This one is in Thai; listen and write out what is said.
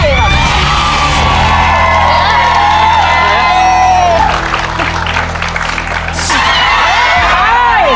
เย้